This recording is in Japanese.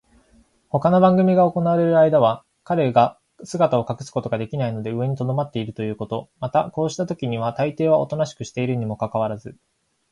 ほかの番組が行われるあいだは、彼が姿を隠すことができないので上にとどまっているということ、またこうしたときにはたいていはおとなしくしているにもかかわらず、